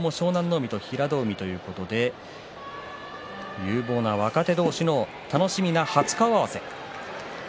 海と平戸海ということで有望な若手同士の楽しみな初顔合わせ。